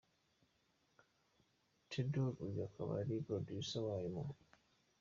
Thedor, uyu akaba yari Producer wayo mu.